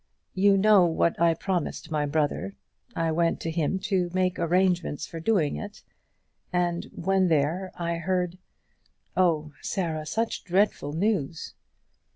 You know what I promised my brother. I went to him to make arrangements for doing it, and when there I heard oh, Sarah, such dreadful news!"